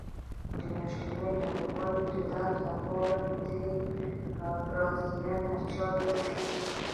د میاشتنۍ ناروغۍ درد لپاره د رازیانې چای وڅښئ